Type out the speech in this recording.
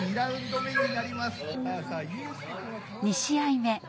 ２試合目。